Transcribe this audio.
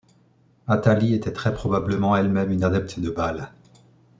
Athalie était très probablement elle-même une adepte de Baal.